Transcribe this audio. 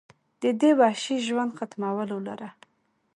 د دې وحشي ژوند ختمولو لره